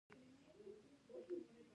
سپما د خلکو مالي ثبات تضمینوي.